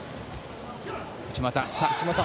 内股。